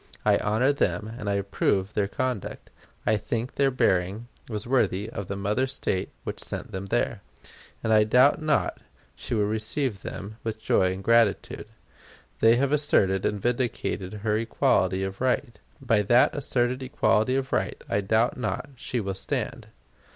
I honor them, and I approve their conduct. I think their bearing was worthy of the mother State which sent them there; and I doubt not she will receive them with joy and gratitude. They have asserted and vindicated her equality of right. By that asserted equality of right I doubt not she will stand.